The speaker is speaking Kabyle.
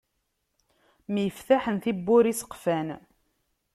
Myeftaḥen tibbura iseqfan.